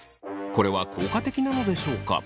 これは効果的なのでしょうか。